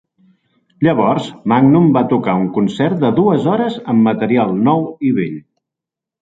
Llavors, Magnum va tocar un concert de dues hores amb material nou i vell.